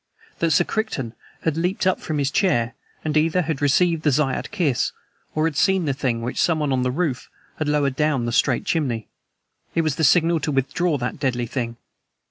That Sir Crichton had leaped up from his chair, and either had received the Zayat Kiss or had seen the thing which someone on the roof had lowered down the straight chimney. It was the signal to withdraw that deadly thing.